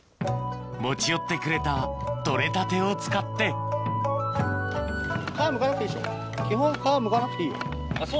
持ち寄ってくれた取れたてを使って皮むかなくていいでしょ